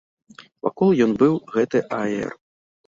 Вакол ён быў, гэты аер.